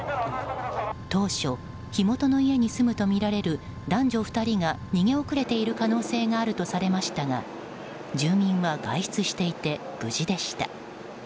当初、火元の家に住むとみられる男女２人が逃げ遅れている可能性があるとされましたが住民は外出していて無事でした。